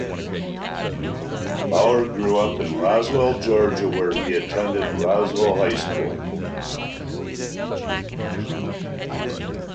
Bower grew up in Roswell, Georgia, where he attended Roswell High School.